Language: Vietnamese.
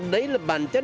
đấy là bản chất